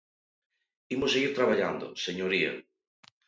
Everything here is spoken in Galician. Imos seguir traballando, señoría.